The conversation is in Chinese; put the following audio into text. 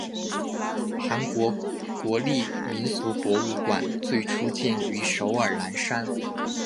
韩国国立民俗博物馆最初建于首尔南山。